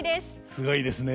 すごいですね。